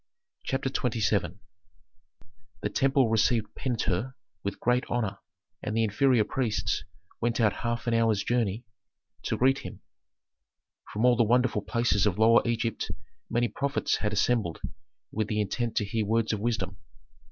CHAPTER XXVII The temple received Pentuer with great honor, and the inferior priests went out half an hour's journey to greet him. From all the wonderful places of Lower Egypt many prophets had assembled with the intent to hear words of wisdom.